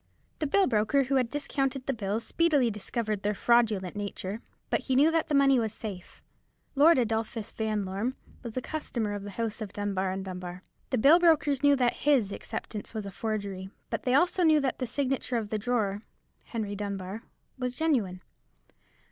The bill broker who discounted the bills speedily discovered their fraudulent nature; but he knew that the money was safe. Lord Adolphus Vanlorme was a customer of the house of Dunbar and Dunbar; the bill brokers knew that his acceptance was a forgery; but they knew also that the signature of the drawer, Henry Dunbar, was genuine.